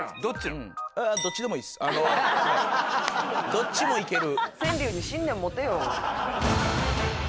どっちもいける。